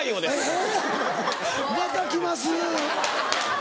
えぇまた来ます。